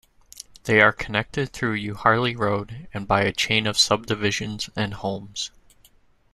They are connected through Euharlee Road, and by a chain of subdivisions and homes.